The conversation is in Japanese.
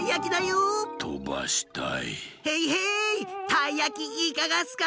たいやきいかがっすか？